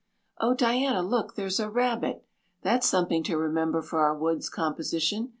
Oh, Diana, look, there's a rabbit. That's something to remember for our woods composition.